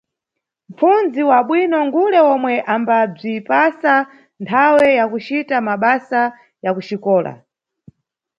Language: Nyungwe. Mʼpfundzi wa bwino ngule omwe ambabzipasa nthawe ya kucita mabasa ya kuxikola